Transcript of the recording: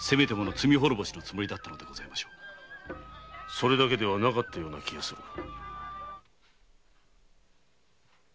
それだけではなかったような気がするが。